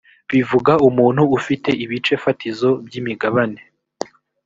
bivuga umuntu ufite ibice fatizo by imigabane